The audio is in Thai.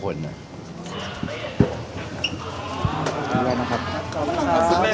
ขอบคุณครับขอบคุณครับขอบคุณครับ